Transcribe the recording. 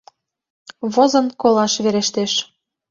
Возын колаш верештеш.